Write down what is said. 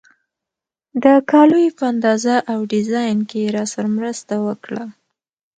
د کالیو په اندازه او ډیزاین کې یې راسره مرسته وکړه.